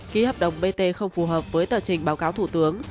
ký hợp đồng bt không phù hợp với tờ trình báo cáo thủ tướng